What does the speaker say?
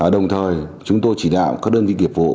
đồng thời chúng tôi chỉ đạo các đồng chí thành viên bang chỉ đạo